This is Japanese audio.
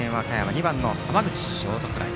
２番の浜口、ショートフライ。